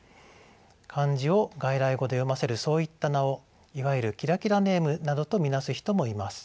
漢字を外来語で読ませるそういった名をいわゆるキラキラネームなどと見なす人もいます。